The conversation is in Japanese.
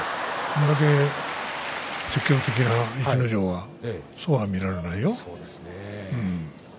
これだけ積極的な逸ノ城はそうは見られないよ。